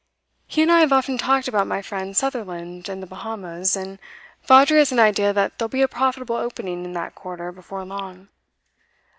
'He and I have often talked about my friend Sutherland, in the Bahamas, and Vawdrey has an idea that there'll be a profitable opening in that quarter, before long.